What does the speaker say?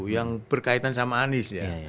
yang berkaitan sama anies ya